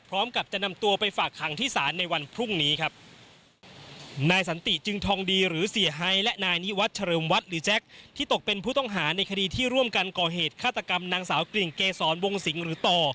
ร่วมกันก่อเหตุฆาตกรรมนางสาวกลิ่นเกษรวงสิงหรือต่อ